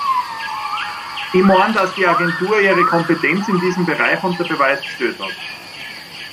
Ich meine, dass die Agentur ihre Kompetenz in diesem Bereich unter Beweis gestellt hat.